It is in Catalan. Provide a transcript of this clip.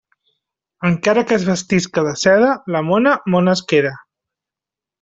Encara que es vestisca de seda, la mona, mona es queda.